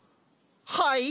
はい？